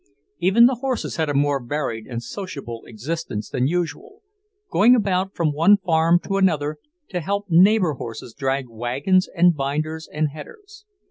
Even the horses had a more varied and sociable existence than usual, going about from one farm to another to help neighbour horses drag wagons and binders and headers.